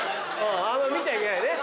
あんま見ちゃいけないね。